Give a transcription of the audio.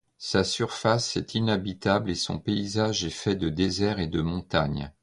Sa surface est inhabitable, et son paysage est fait de déserts et de montagnes.